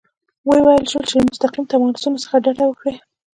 وویل شول چې له مستقیم تماسونو څخه ډډه وکړي.